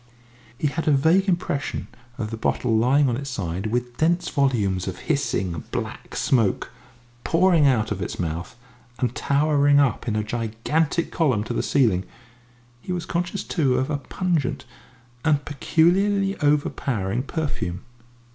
He had a vague impression of the bottle lying on its side, with dense volumes of hissing, black smoke pouring out of its mouth and towering up in a gigantic column to the ceiling; he was conscious, too, of a pungent and peculiarly overpowering perfume.